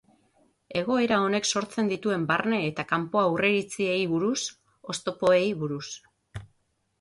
Egoera honek sortzen dituen barne eta kanpo aurreiritziei buruz, oztopoei buruz.